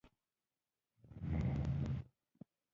پښتانه د امن خوښونکي خلک دي.